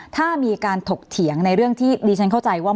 ถ้ามีการถกเถียงในเรื่องที่ดิฉันเข้าใจว่า